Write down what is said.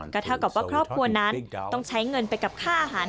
ก็เท่ากับว่าครอบครัวนั้นต้องใช้เงินไปกับค่าอาหาร